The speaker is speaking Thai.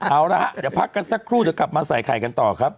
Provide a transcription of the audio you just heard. เอาละฮะเดี๋ยวพักกันสักครู่เดี๋ยวกลับมาใส่ไข่กันต่อครับ